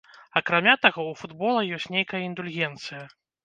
Акрамя таго, у футбола ёсць нейкая індульгенцыя.